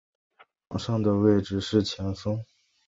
在场上的位置是前锋。